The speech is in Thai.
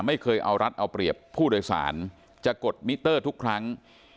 ไม่เคยเอารัฐเอาเปรียบผู้โดยสารจะกดมิเตอร์ทุกครั้ง